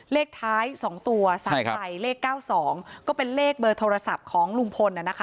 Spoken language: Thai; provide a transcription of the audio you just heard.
เลขท้ายสองตัวใช่ครับสามใบเลขเก้าสองก็เป็นเลขเบอร์โทรศัพท์ของลุงพล